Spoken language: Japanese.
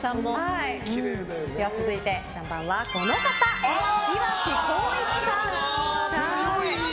続いて、３番は岩城滉一さん。